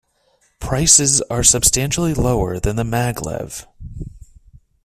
Prices are substantially lower than the Maglev.